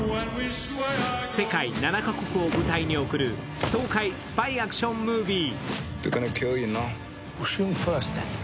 世界７か国を舞台に送る爽快スパイアクションムービー。